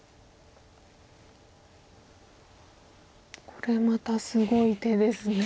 これまたすごい手ですね。